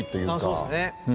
そうですね。